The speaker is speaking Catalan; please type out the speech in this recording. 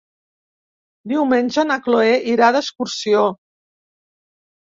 Diumenge na Chloé irà d'excursió.